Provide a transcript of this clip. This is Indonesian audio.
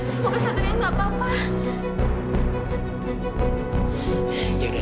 semoga sateria gak apa apa